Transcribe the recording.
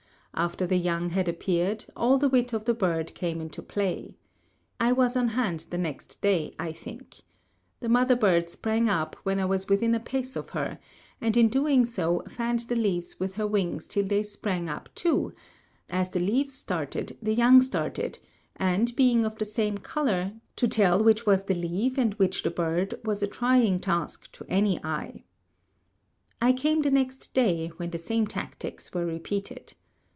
After the young had appeared, all the wit of the bird came into play. I was on hand the next day, I think. The mother bird sprang up when I was within a pace of her, and in doing so fanned the leaves with her wings till they sprang up too; as the leaves started the young started, and, being of the same color, to tell which was the leaf and which the bird was a trying task to any eye. I came the next day, when the same tactics were repeated.